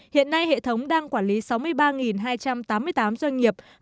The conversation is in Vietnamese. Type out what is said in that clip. hiện nay hệ thống đang quản lý sáu mươi ba hai trăm tám mươi tám doanh nghiệp